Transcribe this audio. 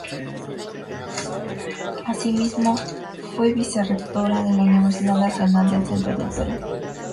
Asimismo fue vice-rectora de la Universidad Nacional del Centro del Perú.